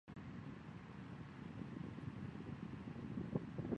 该庙由功德林寺的喇嘛管理。